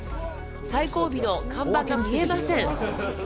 最後尾の看板が見えません。